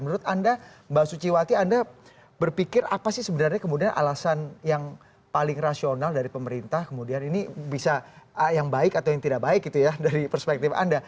menurut anda mbak suciwati anda berpikir apa sih sebenarnya kemudian alasan yang paling rasional dari pemerintah kemudian ini bisa yang baik atau yang tidak baik gitu ya dari perspektif anda